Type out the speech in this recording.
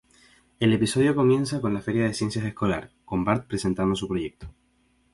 El episodio comienza con la feria de ciencias escolar, con Bart presentando su proyecto.